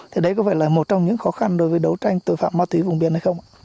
thì đấy có phải là một trong những khó khăn đối với đấu tranh tội phạm ma túy vùng biên hay không ạ